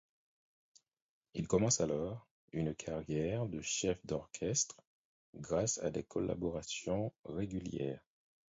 Il commence alors une carrière de chef d'orchestre grâce à des collaborations régulières.